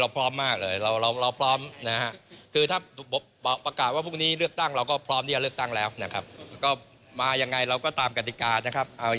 เพราะว่าคุณบอกว่าที่อยากเลือกตั้งความพร้อมของภักดิ์พลังประชารัฐอยู่แล้ว